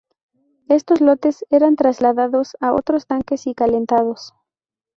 Estos lotes eran trasladados a otros tanques y calentados.